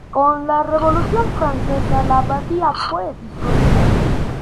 Con la Revolución francesa la abadía fue disuelta.